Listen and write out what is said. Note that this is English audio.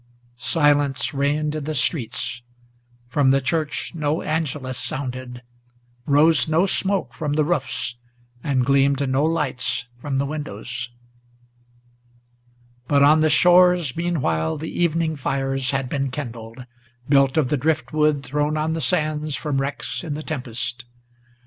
Silence reigned in the streets; from the church no Angelus sounded, Rose no smoke from the roofs, and gleamed no lights from the windows. But on the shores meanwhile the evening fires had been kindled, Built of the drift wood thrown on the sands from wrecks in the tempest.